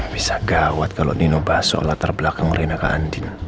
bisa gawat kalau nino bahas soal latar belakang rena ke andin